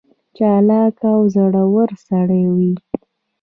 چالاک او زړه ور سړی وي.